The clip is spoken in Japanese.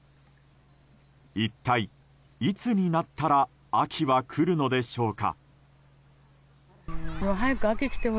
一体いつになったら秋は来るのでしょうか。